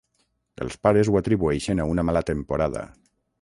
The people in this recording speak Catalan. Els pares ho atribueixen a una mala temporada.